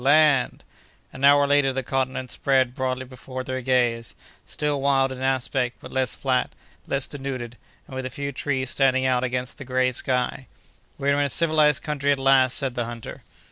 land!" An hour later the continent spread broadly before their gaze, still wild in aspect, but less flat, less denuded, and with a few trees standing out against the gray sky. "We are in a civilized country at last!" said the hunter.